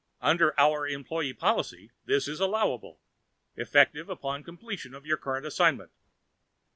Under our employee policy, this is allowable, effective upon completion of your current assignment.